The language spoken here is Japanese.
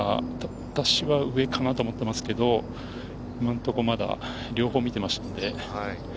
私は上かなと思っていますけど、今のところ、まだ両方見ています。